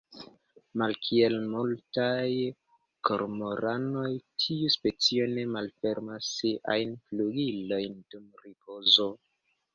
Malkiel multaj kormoranoj, tiu specio ne malfermas siajn flugilojn dum ripozo.